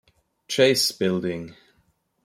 Chase Building.